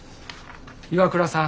岩倉さん